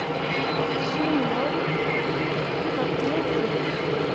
Ŝi nur kapjesis.